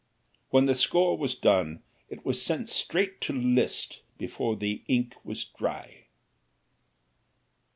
When the score was done it was sent straight to Liszt, before the ink was dry.